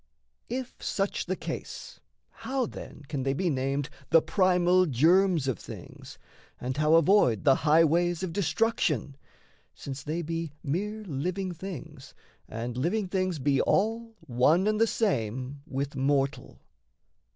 If such the case, how, then, can they be named The primal germs of things, and how avoid The highways of destruction? since they be Mere living things and living things be all One and the same with mortal.